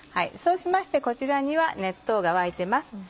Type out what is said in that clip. そうしましてこちらには熱湯が沸いてます。